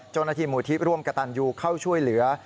เจ้าหน้าที่มูลที่ร่วมกระตันยูเข้าช่วยเหลือ